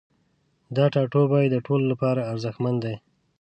دا ټاتوبی د ټولو لپاره ارزښتمن دی